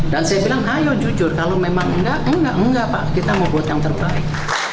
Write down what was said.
dan saya bilang ayo jujur kalau memang enggak enggak pak kita mau buat yang terbaik